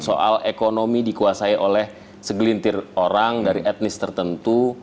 soal ekonomi dikuasai oleh segelintir orang dari etnis tertentu